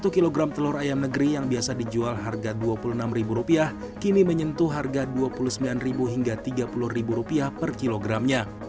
satu kg telur ayam negeri yang biasa dijual harga dua puluh enam rupiah kini menyentuh harga dua puluh sembilan hingga tiga puluh rupiah per kilogram